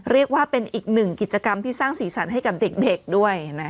เรียกว่าเป็นอีกหนึ่งกิจกรรมที่สร้างสีสันให้กับเด็กด้วยนะ